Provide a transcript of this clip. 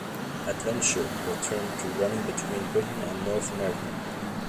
"Adventure" returned to running between Britain and North America.